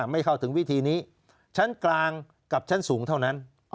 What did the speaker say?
ไม่เข้าถึงวิธีนี้ชั้นกลางกับชั้นสูงเท่านั้น